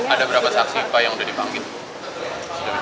ada berapa saksi pak yang sudah dipanggil